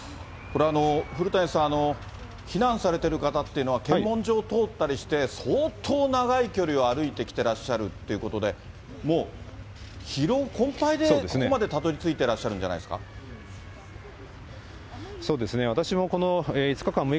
これ、古谷さん、避難されている方っていうのは、検問所を通ったりして、相当、長い距離を歩いてきてらっしゃるということで、もう、疲労困ぱいでここまでたどりついていらっしゃるんじゃないですか。